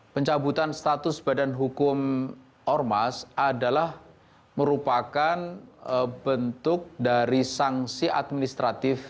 pencabutan status badan hukum ormas adalah merupakan bentuk dari sanksi administratif